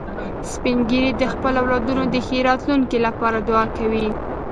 سپین ږیری د خپلو اولادونو د ښې راتلونکې لپاره دعا کوي